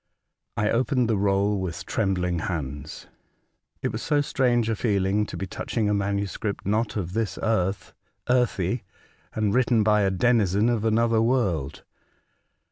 I opened the roll with trembling hands. It was so strange a feeling to be touch ing a manuscript, not of this earth, earthy, and written by a denizen of another world.